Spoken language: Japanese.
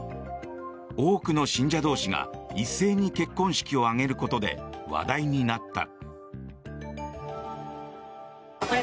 多くの信者同士が一斉に結婚式を挙げることで話題になった。